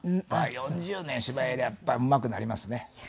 ４０年芝居やりゃあやっぱりうまくなりますね。